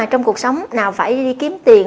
trong cuộc sống nào phải đi kiếm tiền